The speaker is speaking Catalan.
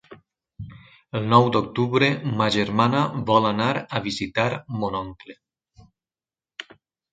El nou d'octubre ma germana vol anar a visitar mon oncle.